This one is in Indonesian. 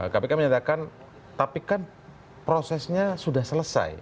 kpk menyatakan tapi kan prosesnya sudah selesai